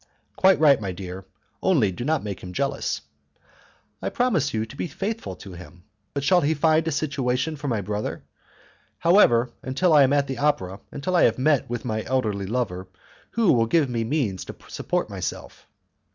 "Quite right, my dear; only do not make him jealous." "I promise you to be faithful to him. But shall he find a situation for my brother? However, until I am at the opera, until I have met with my elderly lover, who will give me the means to support myself?"